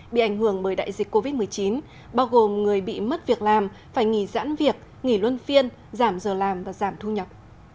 bị ảnh hưởng bởi đại dịch covid một mươi chín bao gồm người bị mất việc làm phải nghỉ giãn việc nghỉ luân phiên giảm giờ làm và giảm thu nhập